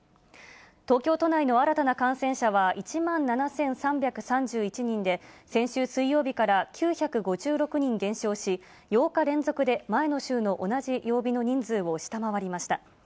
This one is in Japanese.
東京都内の新たな感染者は、１万７３３１人で、先週水曜日から９５６人減少し、８日連続で、前の週の同じ曜日の人数を下回りました。